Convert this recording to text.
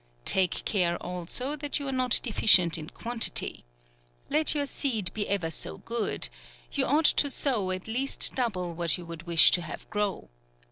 Take care also that you are not deficient in quantity. Let your seed be ever so good, you ought to sow at lenst double what you would wish to have grow.